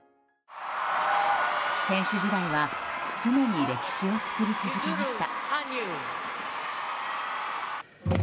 選手時代は常に歴史を作り続けました。